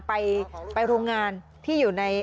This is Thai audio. ไปโรงงานที่อยู่ใน